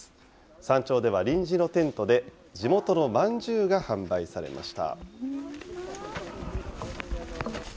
山頂では臨時のテントで地元のまんじゅうが販売されました。